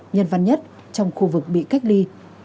nhân văn nhất trong khu vực bị cách ly